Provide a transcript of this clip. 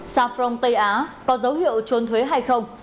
safron tây á có dấu hiệu trốn thuế hay không